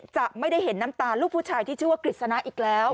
จะไม่ได้เห็นน้ำตาลูกผู้ชายที่ชื่อว่ากฤษณะอีกแล้ว